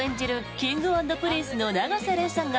Ｋｉｎｇ＆Ｐｒｉｎｃｅの永瀬廉さんが